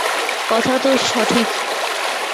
কথা তো সঠিকই।